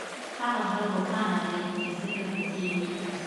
هغه زړه روښانه دی چې ذکر پکې وي.